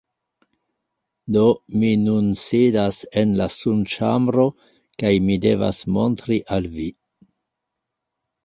Do mi nun sidas en la sunĉambro kaj mi devas montri al vi.